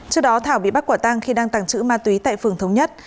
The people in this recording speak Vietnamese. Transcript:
trước đó thảo bị bắt quả tang khi đang tàng trữ ma túy tại phường thống nhất